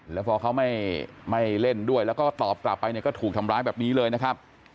แล้วพอเขาไม่เล่นด้วยแล้วก็ตอบกลับไปเนี่ยก็ถูกทำร้ายแบบนี้เลยนะครับ